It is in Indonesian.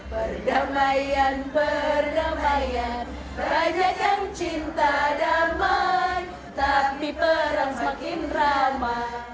perdamaian perdamaian banyak yang cinta damai tapi perang semakin ramai